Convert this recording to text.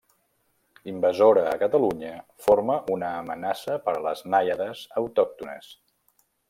Invasora a Catalunya, forma una amenaça per a les nàiades autòctones.